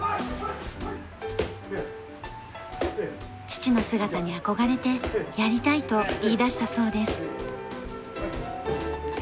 父の姿に憧れて「やりたい」と言い出したそうです。